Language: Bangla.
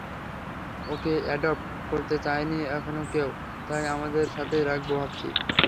ওকে অ্যাডপ্ট করতে চায়নি এখনও কেউ, তাই আমাদের সাথেই রাখবো ভাবছি।